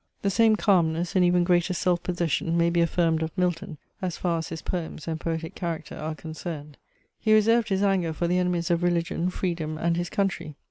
The same calmness, and even greater self possession, may be affirmed of Milton, as far as his poems, and poetic character are concerned. He reserved his anger for the enemies of religion, freedom, and his country.